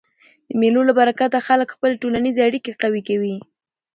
د مېلو له برکته خلک خپلي ټولنیزي اړیکي قوي کوي.